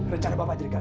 rencana bapak jadi gagal